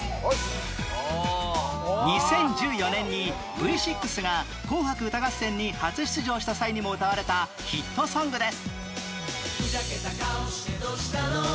２０１４年に Ｖ６ が『紅白歌合戦』に初出場した際にも歌われたヒットソングです